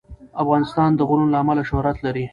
افغانستان د غرونه له امله شهرت لري.